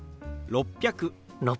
６００。